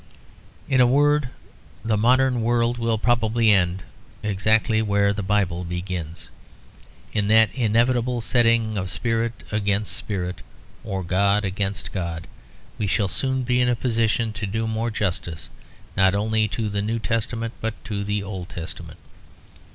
In a word, the modern world will probably end exactly where the Bible begins. In that inevitable setting of spirit against spirit, or god against god, we shall soon be in a position to do more justice not only to the New Testament, but to the Old Testament.